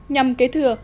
nhằm kế thừa